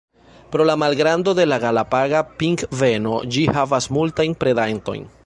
Pro la malgrando de la Galapaga pingveno, ĝi havas multajn predantojn.